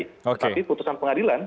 tapi putusan pengadilan